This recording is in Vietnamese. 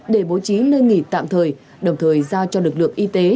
để bố trí nơi nghỉ tạm thời đồng thời giao cho lực lượng y tế